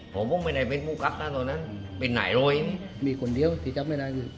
ผมไม่ได้เป็นผู้ครับแล้วตอนนั้นเป็นไหนเลยมีคนเดียวที่จับไม่ได้